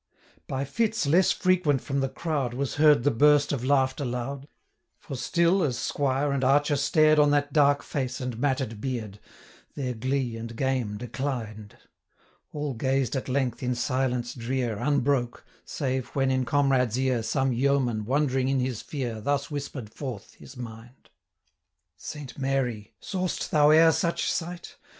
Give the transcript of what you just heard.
By fits less frequent from the crowd 90 Was heard the burst of laughter loud; For still, as squire and archer stared On that dark face and matted beard, Their glee and game declined. All gazed at length in silence drear, 95 Unbroke, save when in comrade's ear Some yeoman, wondering in his fear, Thus whispered forth his mind: 'Saint Mary! saw'st thou e'er such sight?